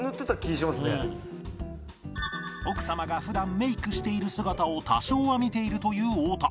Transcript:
奥様が普段メイクしている姿を多少は見ているという太田